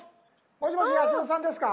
もしもし八代さんですか？